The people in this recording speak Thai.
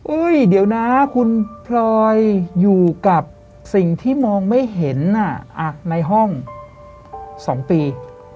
เดี๋ยวนะคุณพลอยอยู่กับสิ่งที่มองไม่เห็นในห้อง๒ปี